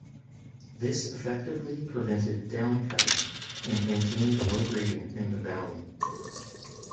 This effectively prevented down-cutting and maintained a low gradient in the valley.